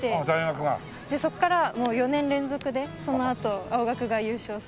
そこから４年連続でそのあと青学が優勝するっていう。